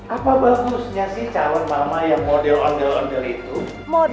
apa bagusnya sih calon mama yang model ondel ondel itu